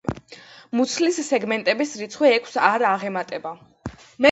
მუცლის სეგმენტების რიცხვი ექვსს არ აღემატება.